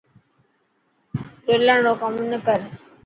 رولڻ رو ڪم نه ڪر.